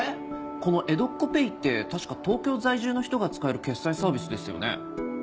このえどっこペイって確か東京在住の人が使える決済サービスですよね。